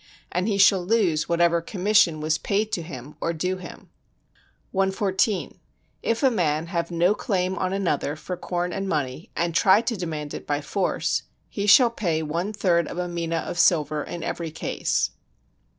And he shall lose whatever commission was paid to him, or due him. 114. If a man have no claim on another for corn and money, and try to demand it by force, he shall pay one third of a mina of silver in every case.